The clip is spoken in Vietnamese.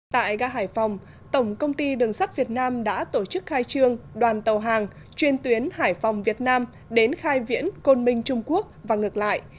tại gà hải phòng tổng công ty đường sắt việt nam đã tổ chức khai trương đoàn tàu hàng chuyên tuyến hải phòng việt nam đến khai viễn côn minh trung quốc và ngược lại